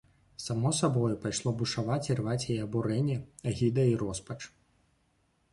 Само сабою пайшло бушаваць і рваць яе абурэнне, агіда і роспач.